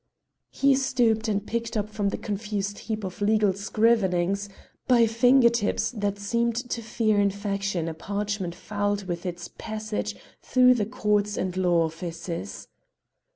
He stooped and picked up from the confused heap of legal scrivenings by finger tips that seemed to fear infection a parchment fouled with its passage through the courts and law offices.